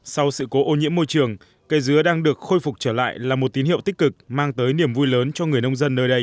sau sự cố ô nhiễm môi trường cây dứa đang được khôi phục trở lại là một tín hiệu tích cực mang tới niềm vui lớn cho người nông dân nơi đây